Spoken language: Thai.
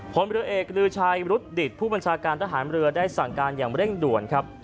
พลเรือเอกลือชัยรุดดิตผู้บัญชาการทหารเรือได้สั่งการอย่างเร่งด่วนครับ